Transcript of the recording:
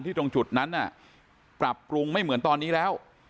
ตรงจุดนั้นปรับปรุงไม่เหมือนตอนนี้แล้ว